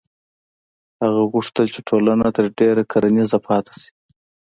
هغه غوښتل چې ټولنه تر ډېره کرنیزه پاتې شي.